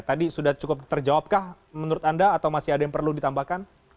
tadi sudah cukup terjawabkah menurut anda atau masih ada yang perlu ditambahkan